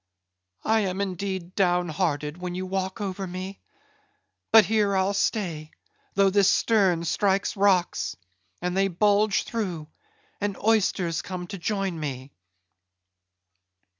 I am indeed down hearted when you walk over me. But here I'll stay, though this stern strikes rocks; and they bulge through; and oysters come to join me."